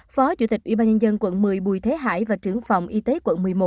phó chủ tịch ubnd quận một mươi bùi thế hải và trưởng phòng y tế quận một mươi một